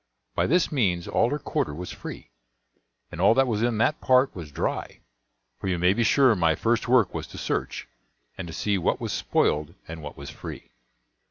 By this means all her quarter was free, and all that was in that part was dry; for you may be sure my first work was to search, and to see what was spoiled and what was free.